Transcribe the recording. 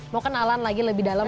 mau kenalan lagi lebih dalam